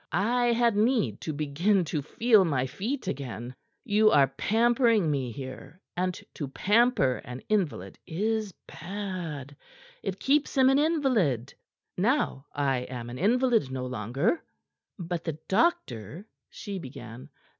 "I had need to begin to feel my feet again. You are pampering me here, and to pamper an invalid is bad; it keeps him an invalid. Now I am an invalid no longer." "But the doctor " she began.